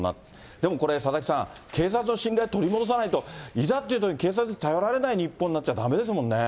でもこれ、佐々木さん、警察の信頼取り戻さないと、いざっていうときに、警察に頼られない日本になっちゃだめですもんね。